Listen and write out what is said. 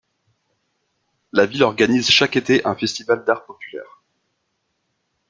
La ville organise chaque été un festival d'arts populaires.